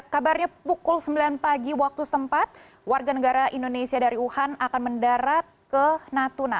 kabarnya pukul sembilan pagi waktu setempat warga negara indonesia dari wuhan akan mendarat ke natuna